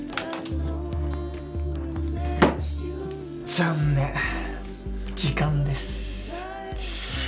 残念時間です。